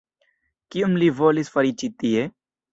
Kion li volis fari ĉi tie?